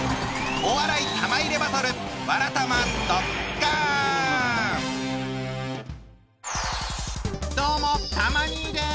お笑い玉入れバトルどうもたま兄です。